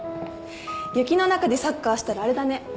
雪の中でサッカーしたらあれだね。